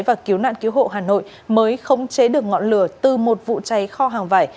và cứu nạn cứu hộ hà nội mới khống chế được ngọn lửa từ một vụ cháy kho hàng vải